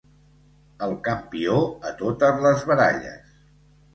El campió a totes les baralles.